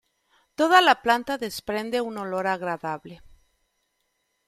Toda la planta desprende un olor agradable.